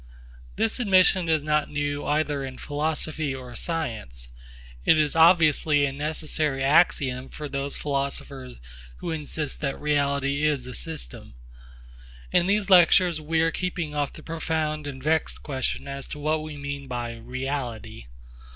This admission is not new either in philosophy or science. It is obviously a necessary axiom for those philosophers who insist that reality is a system. In these lectures we are keeping off the profound and vexed question as to what we mean by 'reality.'